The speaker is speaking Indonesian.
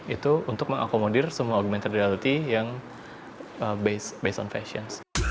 itu untuk mengakomodir semua augmented reality yang berdasarkan fashion